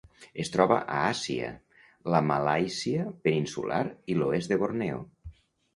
Es troba a Àsia: la Malàisia peninsular i l'oest de Borneo.